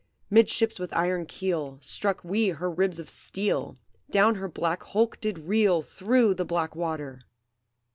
Midships with iron keel Struck we her ribs of steel; Down her black hulk did reel Through the black water!